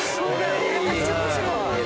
めっちゃ面白い。